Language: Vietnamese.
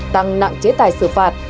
tăng nặng chế tài xử phạt